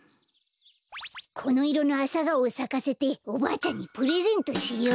このいろのアサガオをさかせておばあちゃんにプレゼントしよう。